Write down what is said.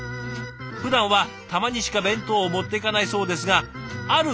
ふだんはたまにしか弁当を持っていかないそうですがある